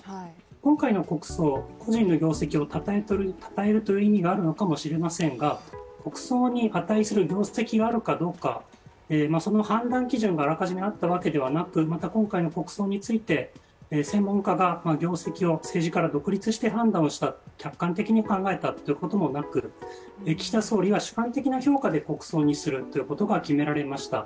今回の国葬、故人の業績をたたえるという意味があるのかもしれませんが国葬に値する業績があるかどうかその判断基準があらかじめあったわけではなく、専門家が業績を政治から独立して判断した、客観的に考えたということもあり、岸田総理は主観的な評価で国葬にするということが決められました。